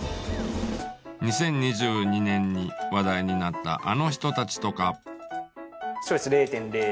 ２０２２年に話題になったあの人たちとか。